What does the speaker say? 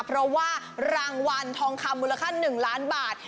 เพราะว่ารางวัลทองคำมูลค่า๑ล้านบาท